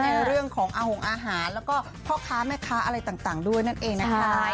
ในเรื่องของอาหารแล้วก็พ่อค้าแม่ค้าอะไรต่างด้วยนั่นเองนะคะ